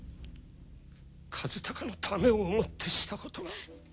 和鷹のためを思ってしたことが。